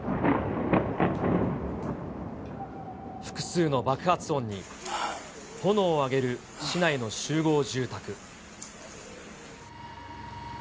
複数の爆発音に、炎を上げる市内の集合住宅。